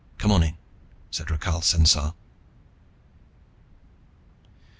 Come on in," said Rakhal Sensar.